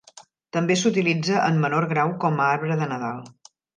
També s'utilitza en menor grau com a arbre de Nadal.